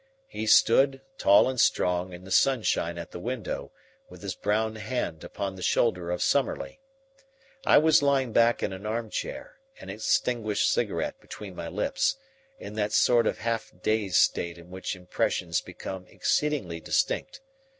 He stood, tall and strong, in the sunshine at the window, with his brown hand upon the shoulder of Summerlee. I was lying back in an armchair, an extinguished cigarette between my lips, in that sort of half dazed state in which impressions become exceedingly distinct.